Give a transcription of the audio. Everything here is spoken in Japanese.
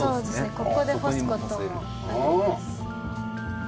ここで干す事もあります。